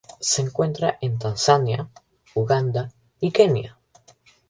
Se encuentra en Tanzania, Uganda y Kenia.